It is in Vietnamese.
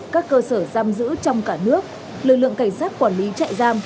các cơ sở giam giữ trong cả nước lực lượng cảnh sát quản lý trại giam